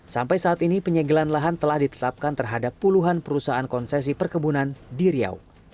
sampai saat ini penyegelan lahan telah ditetapkan terhadap puluhan perusahaan konsesi perkebunan di riau